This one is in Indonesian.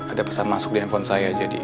ada pesan masuk di handphone saya